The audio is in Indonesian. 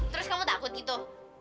terus kamu takut gitu